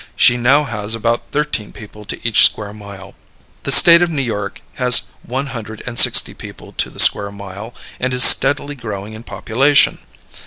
She now has about thirteen people to each square mile. The State of New York has one hundred and sixty people to the square mile, and is steadily growing in population.